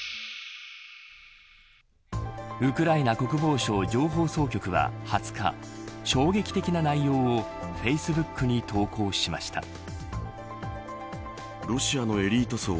ウクライナ国防省情報総局は２０日衝撃的な内容をフェイスブックに投稿しました。